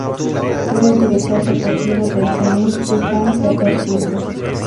Era el director deportivo del Zenit de San Petersburgo.